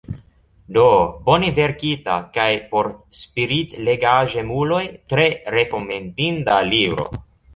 Do: bone verkita, kaj por spiritlegaĵemuloj tre rekomendinda libro.